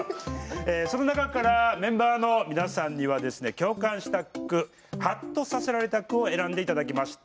その中からメンバーの皆さんには共感した句はっとさせられた句を選んでいただきました。